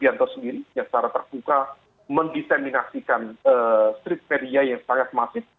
jokowi sendiri yang secara terbuka mendiseminasikan street media yang sangat masif